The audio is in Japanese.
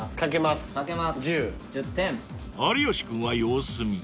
［有吉君は様子見］